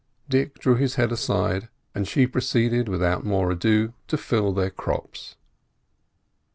Dick drew his head aside, and she proceeded without more ado to fill their crops.